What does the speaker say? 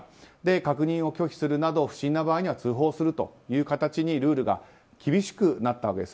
確認を拒否するなど不審な場合には通報するという形にルールが厳しくなったわけです。